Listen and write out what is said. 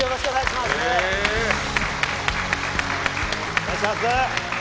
お願いします！